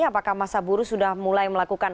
apakah masa buruh sudah mulai melakukan